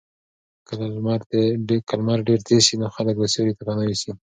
که لمر ډېر تېز شي نو خلک به سیوري ته پناه یوسي.